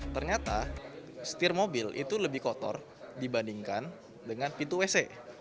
ternyata setir mobil itu lebih kotor dibandingkan dengan pintu wc